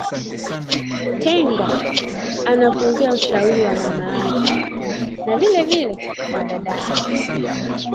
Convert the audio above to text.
Tenge anapuuza ushauri wa mamake na vilevile wa dadake